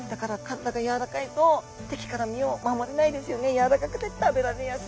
柔らかくて食べられやすい！